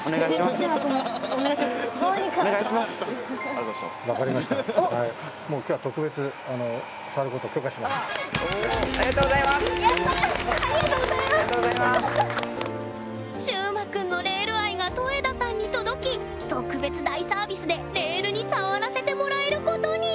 しゅうまくんのレール愛が戸枝さんに届き特別大サービスでレールに触らせてもらえることに！